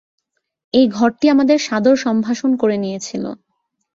এই ঘরটি আমাদের সাদর সম্ভাষণ করে নিয়েছিল।